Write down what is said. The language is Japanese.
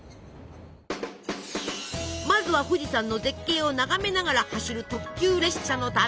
まずは富士山の絶景を眺めながら走る特急列車の旅！